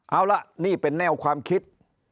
เอาละนี่เป็นแนวความคิด